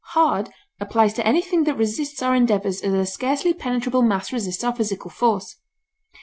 Hard applies to anything that resists our endeavors as a scarcely penetrable mass resists our physical force.